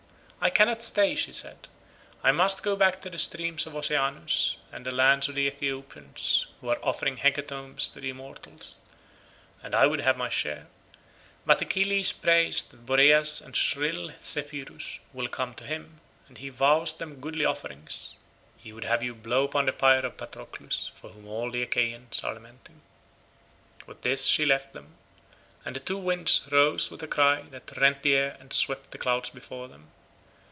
"I cannot stay," she said, "I must go back to the streams of Oceanus and the land of the Ethiopians who are offering hecatombs to the immortals, and I would have my share; but Achilles prays that Boreas and shrill Zephyrus will come to him, and he vows them goodly offerings; he would have you blow upon the pyre of Patroclus for whom all the Achaeans are lamenting." With this she left them, and the two winds rose with a cry that rent the air and swept the clouds before them.